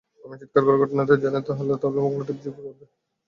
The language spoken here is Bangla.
আমি চিৎকার করে ঘটনাটি অন্যদের জানালে তারা মোগলহাট বিজিবিকে খবর দেয়।